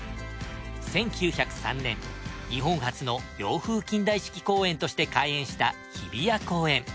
１９０３年日本初の洋風近代式公園として開園した日比谷公園。